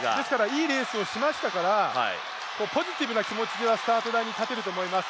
いいレースをしましたからポジティブな気持ちでスタート台に立てると思います。